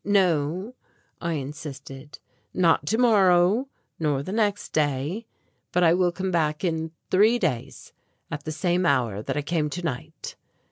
"No," I insisted, "not tomorrow, nor the next day, but I will come back in three days at the same hour that I came tonight."